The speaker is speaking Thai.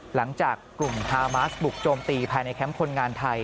หลังจากกลุ่มฮามาสบุกโจมตีภายในแคมป์คนงานไทย